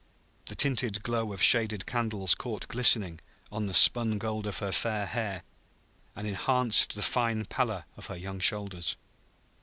The tinted glow of shaded candles caught glistening on the spun gold of her fair hair, and enhanced the fine pallor of her young shoulders.